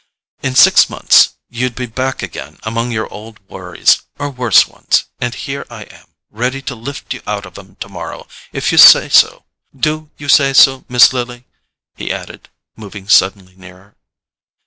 In six months you'd be back again among your old worries, or worse ones; and here I am, ready to lift you out of 'em tomorrow if you say so. DO you say so, Miss Lily?" he added, moving suddenly nearer.